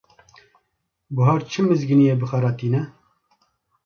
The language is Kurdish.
Buhar çi mizgîniyê bi xwe re tîne?